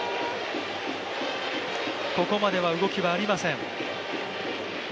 ここまでは動きはありません。